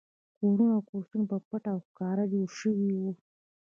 کورني کورسونه په پټه او ښکاره جوړ شوي وو